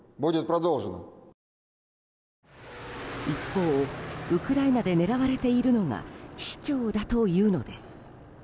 一方、ウクライナで狙われているのが市長だというのです。